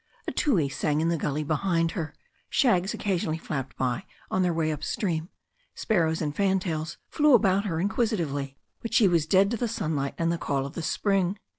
A tui sang in the gully behind her, shags occa sionally flapped by on their way up stream, sparrows and fantails flew about her inquisitively. But she was dead to the sunlight and the call of the spring.